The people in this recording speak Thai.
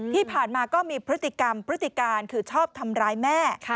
ที่ผ่านมาก็มีพฤติกรรมพฤติการคือชอบทำร้ายแม่